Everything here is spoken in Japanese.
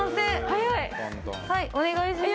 はいお願いします。